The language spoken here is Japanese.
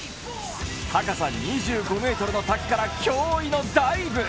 高さ２５ｍの滝から驚異のダイブ。